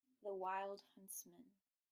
The wild huntsman.